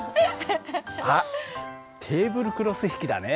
あっテーブルクロス引きだね。